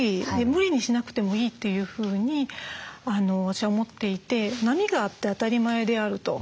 無理にしなくてもいいというふうに私は思っていて波があって当たり前であると。